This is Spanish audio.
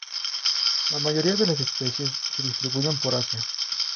La mayoría de las especies se distribuyen por Asia.